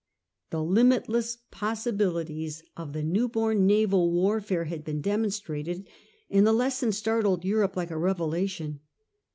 The limitless possibilities of the new bom naval warfare had been demonstrated, and the lesson startled Europe like a revelation.